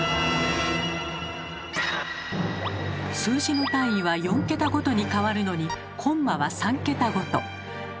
数字の単位は４桁ごとに変わるのにコンマは３桁ごと。